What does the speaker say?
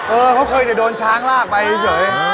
เออเขาเคยจะโดนช้างลากไปเฉย